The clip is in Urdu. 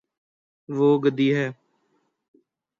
وہ گدی ہے